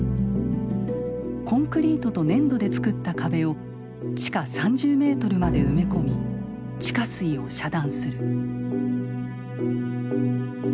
コンクリートと粘土で作った壁を地下３０メートルまで埋め込み地下水を遮断する。